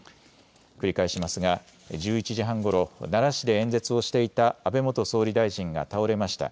繰り返しますが１１時半ごろ、奈良市で演説をしていた安倍元総理大臣が倒れました。